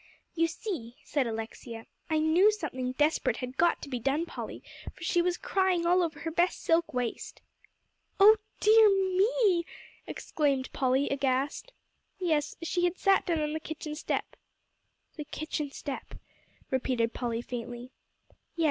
"You see," said Alexia, "I knew something desperate had got to be done, Polly, for she was crying all over her best silk waist." "Oh dear me!" exclaimed Polly, aghast. "Yes; she had sat down on the kitchen step." "The kitchen step," repeated Polly faintly. "Yes.